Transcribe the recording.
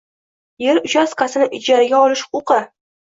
Yer uchastkasini ijaraga olish huquqi